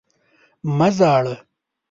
مه ژاړه!